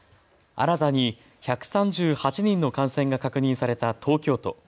新たに１３８人の感染が確認された東京都。